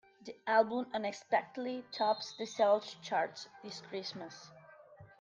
The album unexpectedly tops the sales chart this Christmas.